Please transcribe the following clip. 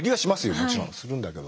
もちろんするんだけど。